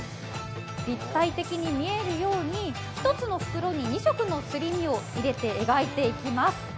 立体的に見えるように一つの袋に２色のすり身を入れて描いていきます。